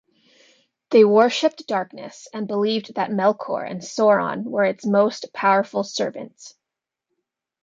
They worshipped Darkness, and believed that Melkor and Sauron were its most powerful servants.